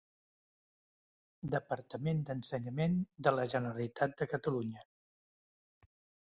Departament d'Ensenyament de la Generalitat de Catalunya.